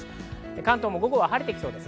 関東も午後は晴れてきそうです。